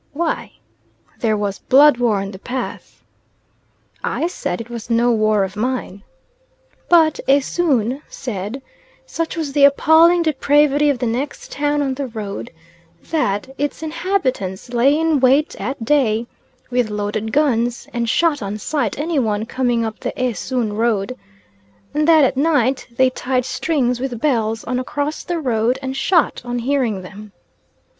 "Why?" "There was blood war on the path." I said it was no war of mine. But Esoon said, such was the appalling depravity of the next town on the road, that its inhabitants lay in wait at day with loaded guns and shot on sight any one coming up the Esoon road, and that at night they tied strings with bells on across the road and shot on hearing them.